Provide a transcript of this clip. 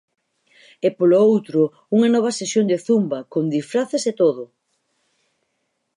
E polo outro, unha nova sesión de zumba, con disfraces e todo.